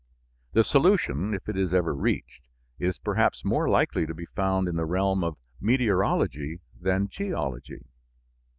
The solution, if it is ever reached, is perhaps more likely to be found in the realm of meteorology than geology.